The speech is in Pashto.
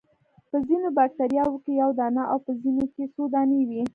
په ځینو باکتریاوو کې یو دانه او په ځینو کې څو دانې وي.